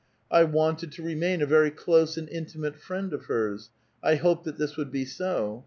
I wanted to remain a very close and intimate friend of hers ; I hoped that this would be so.